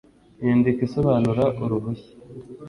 inyandiko isobanura uruhushya